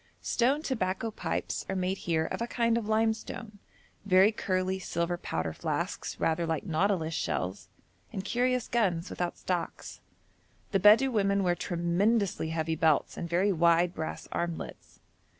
Stone tobacco pipes are made here of a kind of limestone, very curly silver powder flasks, rather like nautilus shells, and curious guns without stocks. The Bedou women wear tremendously heavy belts and very wide brass armlets.